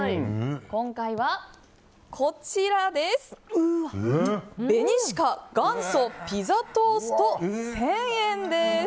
今回はべにしか元祖ピザトースト１０００円です。